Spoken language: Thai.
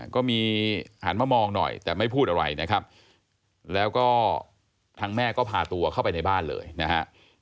ก็มีหันมามองหน่อยแต่ไม่พูดอะไรนะครับแล้วก็ทางแม่ก็พาตัวเข้าไปในบ้านเลยนะฮะ